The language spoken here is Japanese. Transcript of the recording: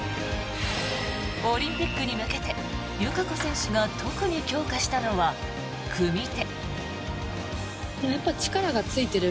オリンピックに向けて友香子選手が特に強化したのは組み手。